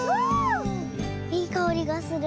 いいかおりがする。